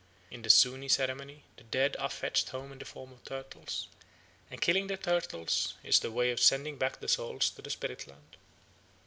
In the Zuni ceremony the dead are fetched home in the form of turtles, and the killing of the turtles is the way of sending back the souls to the spirit land.